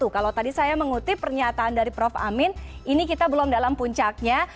kalau tadi saya mengutip pernyataan dari prof amin ini kita belum dalam puncaknya